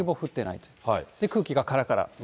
で、空気がからから。